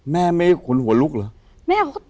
แม่ไม่ขนหัวลุกเหรอ